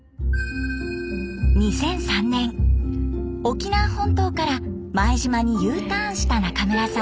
２００３年沖縄本島から前島にＵターンした中村さん。